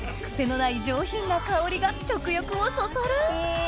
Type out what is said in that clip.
クセのない上品な香りが食欲をそそる！